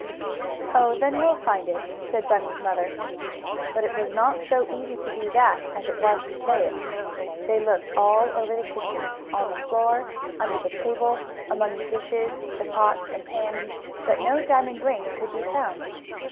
"Oh, then we'll find it," said Bunny's mother. But it was not so easy to do that as it was to say it. They looked all over the kitchen on the floor, under the table, among the dishes, the pots and pans but no diamond ring could be found.